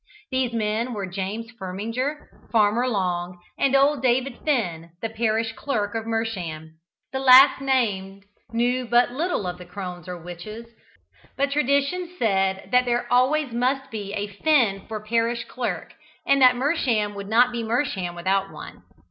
These men were James Firminger, Farmer Long, and old David Finn, the parish clerk of Mersham. The last named knew but little of crones or witches, but tradition said that there always must be a Finn for parish clerk, and that Mersham would not be Mersham without one.